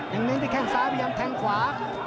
ทิ้งดีที่แค่งซ้ายแทงกันขวา